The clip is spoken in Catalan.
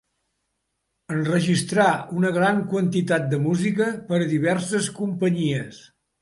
Enregistrà una gran quantitat de música per a diverses companyies.